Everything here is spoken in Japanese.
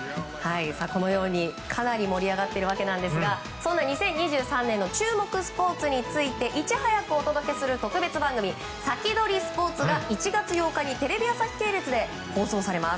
このように、かなり盛り上がっているわけなんですがそんな２０２３年の注目スポーツについていち早くお届けする特別番組「サキドリスポーツ」が１月８日にテレビ朝日系列で放送されます。